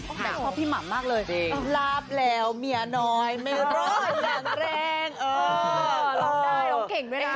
แต่พ่อพี่หม่ามมากเลยราบแล้วเมียน้อยไม่รอดแรง